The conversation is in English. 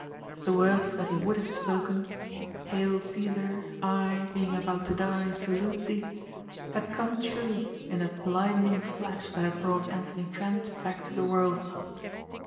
The words that he would have spoken, "Hail Cæsar, I, being about to die, salute thee!" had come true in that blinding flash that had brought Anthony Trent back to the world.